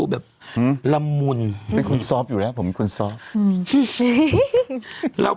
เป็นการกระตุ้นการไหลเวียนของเลือด